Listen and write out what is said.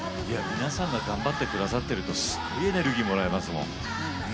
皆さんが頑張っていらっしゃるとエネルギーもらえますもん。